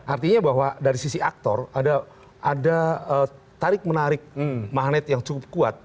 artinya bahwa dari sisi aktor ada tarik menarik magnet yang cukup kuat